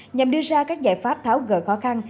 nhằm đưa ra các giải pháp tháo gỡ khó khăn